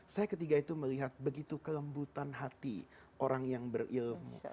saya ketiga itu melihat begitu kelembutan hati orang yang berilmu